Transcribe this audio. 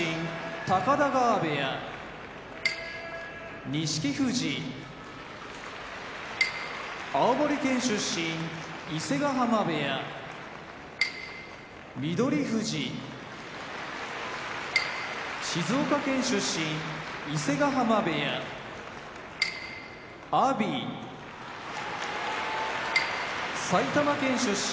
高田川部屋錦富士青森県出身伊勢ヶ濱部屋翠富士静岡県出身伊勢ヶ濱部屋阿炎埼玉県出身